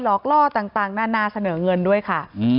อกล่อต่างนานาเสนอเงินด้วยค่ะ